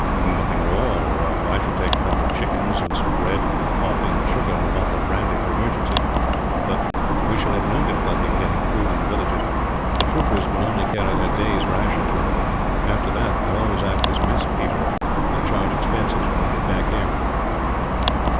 "Nothing at all. I shall take a couple of chickens, and some bread and coffee and sugar, and a bottle of brandy for emergencies; but we shall have no difficulty in getting food in the villages. The troopers will only carry their day's rations with them. After that I always act as mess caterer, and charge expenses when I get back here."